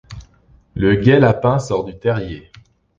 Le gai lapin sort du terrier ;